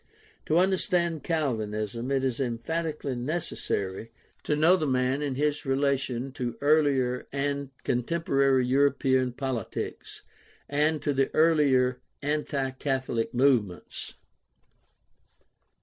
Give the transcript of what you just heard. To understand Calvinism it is emphatically necessary to know the man in his relation to 384 GUIDE TO STUDY OF CHRISTIAN RELIGION earlier and contemporary European politics and to the earlier anti Catholic movements.